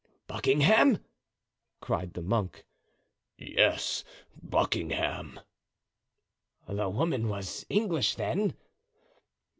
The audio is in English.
"Buckingham?" cried the monk. "Yes, Buckingham." "The woman was English, then?"